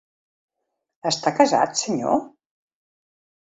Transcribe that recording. Està casat, senyor?